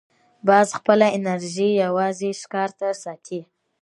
باز خپله انرژي یوازې ښکار ته ساتي